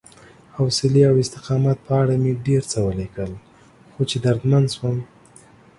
حوصلې او استقامت په اړه مې ډېر څه ولیکل، خو چې دردمن شوم